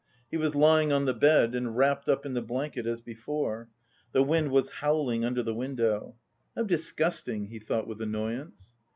He was lying on the bed and wrapped up in the blanket as before. The wind was howling under the window. "How disgusting," he thought with annoyance.